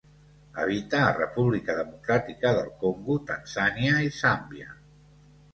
Habita a República Democràtica del Congo, Tanzània i Zàmbia.